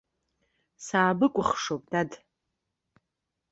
Саабыкәхшоуп, дад!